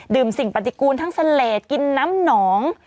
ดื่มสิ่งปัตยกูลทั้งเสลตกินน้ำหนอง